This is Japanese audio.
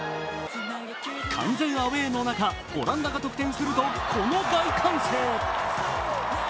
完全アウェーの中、オランダが得点すると、この大歓声。